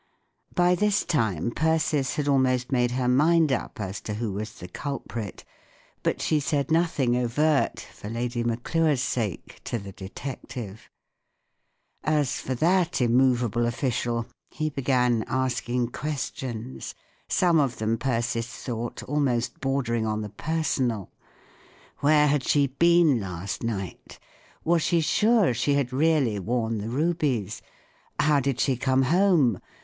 By this time Persis had almost made her mind up as to who was the culprit; but she said nothing overt, for Lady Mack]re's sake, to the detective. As for that immovable official, he began asking questions—some of them, Persis thought, almost bordering the personal Where had she been last night ? Was she sure she had really worn the rubies ? How did she come home